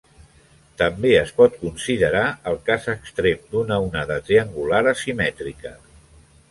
També es pot considerar el cas extrem d'una onada triangular asimètrica.